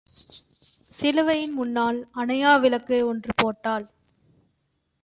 சிலுவையின் முன்னால் அணையா விளக்கு ஒன்று போட்டாள்.